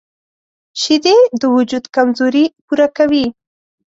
شیدې د وجود کمزوري پوره کوي